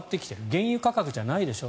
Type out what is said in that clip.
原油価格じゃないでしょ